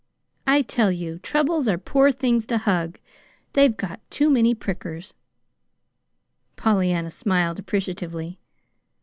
I tell you, troubles are poor things to hug. They've got too many prickers." Pollyanna smiled appreciatively.